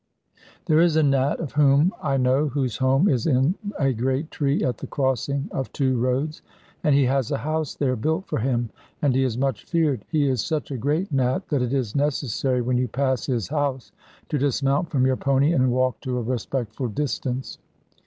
There is a Nat of whom I know, whose home is in a great tree at the crossing of two roads, and he has a house there built for him, and he is much feared. He is such a great Nat that it is necessary when you pass his house to dismount from your pony and walk to a respectful distance.